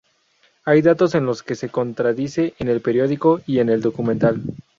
Hay datos en los que se contradice en el periódico y en el documental.